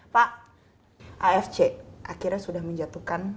pak afc akhirnya sudah menjatuhkan